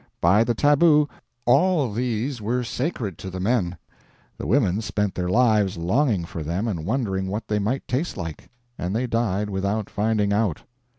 By the tabu, all these were sacred to the men; the women spent their lives longing for them and wondering what they might taste like; and they died without finding out.